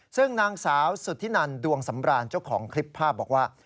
ซึ่งนางสาวสุธินันดวงสำราญเจ้าของคลิปภาพบอกว่า